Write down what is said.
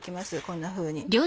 こんなふうに。